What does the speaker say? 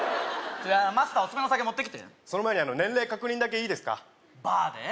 マスターオススメの酒持ってきてその前に年齢確認だけいいですかバーで？